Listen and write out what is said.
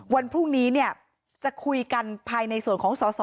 วันพรุ่งนี้เนี่ยจะคุยกันภายในส่วนสอสอ